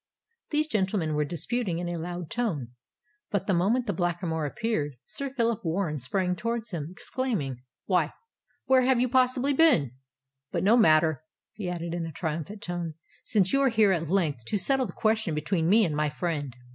These gentlemen were disputing in a loud tone; but the moment the Blackamoor appeared, Sir Phillip Warren sprang towards him, exclaiming, "Why, where have you possibly been? But no matter," he added, in a triumphant tone, "since you are here at length to settle the question between me and my friend."